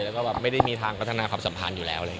แล้วก็ไม่ได้มีทางกระทะนาคำสัมพันธ์อยู่แล้ว